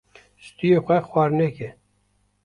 Stûyê xwe xwar neke.